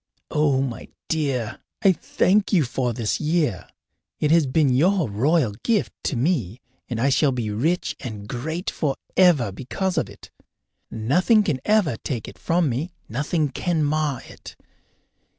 Oh, my dear, I thank you for this year! It has been your royal gift to me, and I shall be rich and great forever because of it. Nothing can ever take it from me, nothing can mar it.